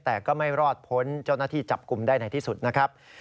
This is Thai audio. แต่ก็ไม่รอดพ้นเจ้าหน้าที่จับกลุ่มได้ในที่สุดนะครับ